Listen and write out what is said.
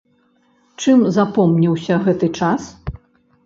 Чым запомніўся гэты час?